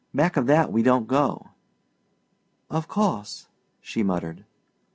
Back of that we don't go." "Of course," she murmured.